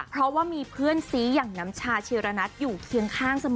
เพราะว่ามีเพื่อนซีอย่างน้ำชาชีระนัทอยู่เคียงข้างเสมอ